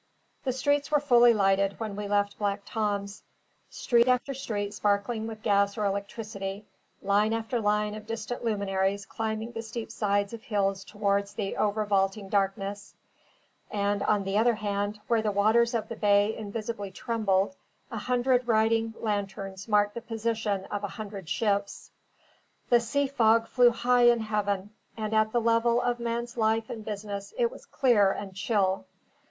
The streets were fully lighted when we left Black Tom's: street after street sparkling with gas or electricity, line after line of distant luminaries climbing the steep sides of hills towards the overvaulting darkness; and on the other hand, where the waters of the bay invisibly trembled, a hundred riding lanterns marked the position of a hundred ships. The sea fog flew high in heaven; and at the level of man's life and business it was clear and chill.